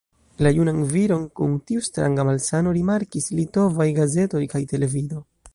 La junan viron kun tiu stranga malsano rimarkis litovaj gazetoj kaj televido.